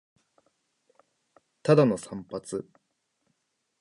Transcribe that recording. ただの散髪